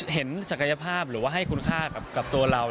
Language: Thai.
ศักยภาพหรือว่าให้คุณค่ากับตัวเรา